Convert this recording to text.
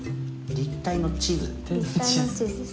立体の地図です。